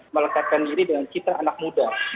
melekatkan diri dengan kita anak muda